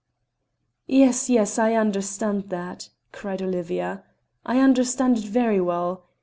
"Yes, yes, I understand that," cried Olivia. "I understand it very well.